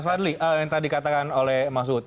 mas wadli yang tadi katakan oleh mas wud